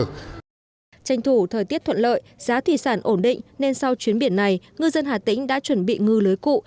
tranh thủ thời tiết thuận lợi giá thủy sản ổn định nên sau chuyến biển này ngư dân hà tĩnh đã chuẩn bị ngư lưới cụ